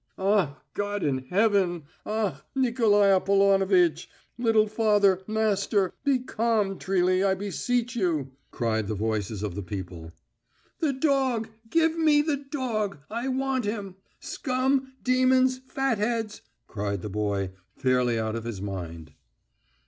"Ah, God in heaven! Ah, Nikolai Apollonovitch! ... Little father, master!... Be calm, Trilly, I beseech you," cried the voices of the people. "The dog! Give me the dog; I want him! Scum, demons, fatheads!" cried the boy, fairly out of his mind.